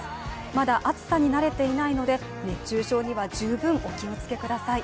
まだ暑さに慣れていないので、熱中症には十分お気をつけください。